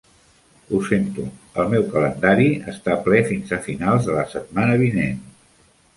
Ho sento, el meu calendari està ple fins a finals de la setmana vinent.